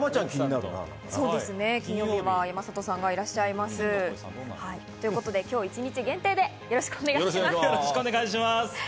金曜日は山里さんがいらっしゃいます。ということで今日、一日限定でよろしくお願いします。